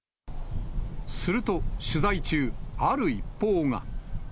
すると、取材中、ある一報が。